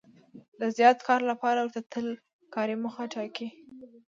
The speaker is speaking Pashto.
د زیات کار لپاره ورته تل کاري موخه ټاکي.